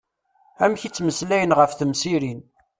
Amek i ttmeslayen ɣef temsirin.